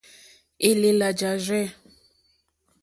Élèlà jârzɛ̂.